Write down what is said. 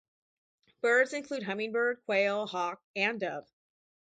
Birds include, hummingbird, quail, hawk, and dove.